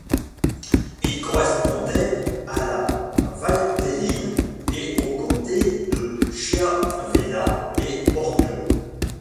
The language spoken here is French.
Il correspondait à la Valteline et aux comtés de Chiavenna et Bormio.